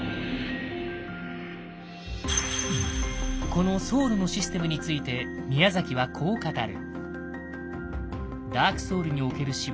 このソウルのシステムについて宮崎はこう語る。